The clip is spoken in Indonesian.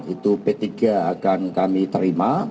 itu p tiga akan kami terima